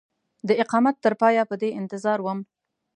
د اقامت تر پایه په دې انتظار وم.